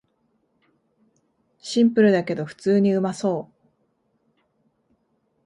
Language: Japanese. シンプルだけど普通にうまそう